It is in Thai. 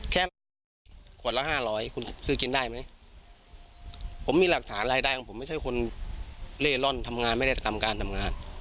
แค่ประมาณขวดละห้าร้อยคุณซื้อกินได้ไหมผมมีหลักฐานรายได้ของผมไม่ใช่คนเล่ร่อนทำงานไม่ได้ทำการทำงาน